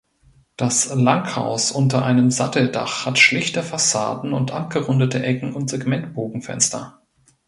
Das Langhaus unter einem Satteldach hat schlichte Fassaden und abgerundete Ecken und Segmentbogenfenster.